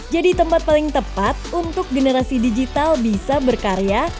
jadi tempat paling tepat untuk generasi digital bisa berkarya